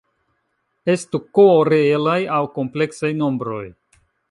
Estu "K" reelaj aŭ kompleksaj nombroj.